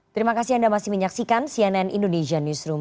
terima kasih anda masih menyaksikan cnn indonesia newsroom